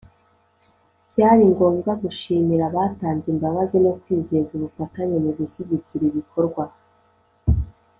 Byari ngombwa gushimira abatanze imbabazi no kwizeza ubufatanye mu gushyigikira ibikorwa